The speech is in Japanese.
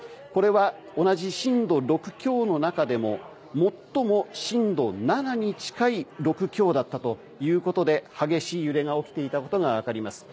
これは同じ震度６強の中でも最も震度７に近い６強だったということで激しい揺れが起きていました。